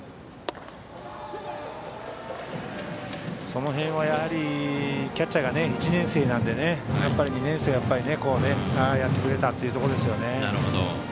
その辺はキャッチャーが１年生なので２年生がやってくれたというところですね。